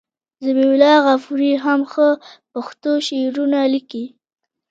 ذبیح الله غفوري هم ښه پښتو شعرونه لیکي.